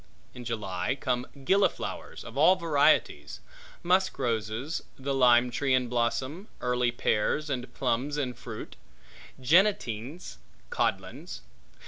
In July come gilliflowers of all varieties; musk roses; the lime tree in blossom; early pears and plums in fruit; jennetings, codlins.